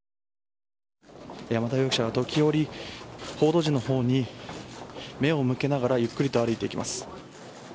山田容疑者は時折、報道陣のほうに目を向けながらゆっくりと歩いていきます。